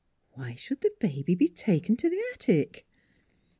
" Why should the baby be taken to the attic?